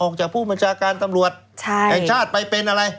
ออกจากผู้บริสุทธิ์มจาการธรรมรวชแห่งชาติไปเป็นอะไร